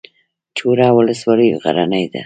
چوره ولسوالۍ غرنۍ ده؟